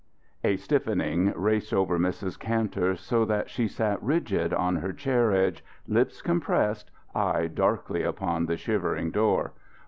A stiffening raced over Mrs. Kantor, so that she sat rigid on her chair edge, lips compressed, eye darkly upon the shivering door.